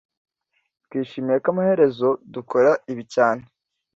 Twishimiye ko amaherezo dukora ibi cyane